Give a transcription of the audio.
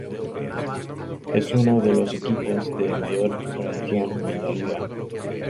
Es uno de los equipos de mayor tradición en la liga.